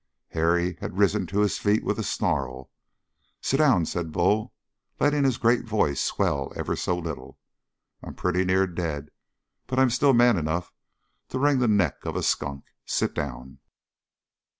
Harry had risen to his feet with a snarl. "Sit down," said Bull, letting his great voice swell ever so little. "I'm pretty near dead, but I'm still man enough to wring the neck of a skunk! Sit down!"